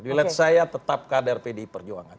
pilet saya tetap kader pdi perjuangan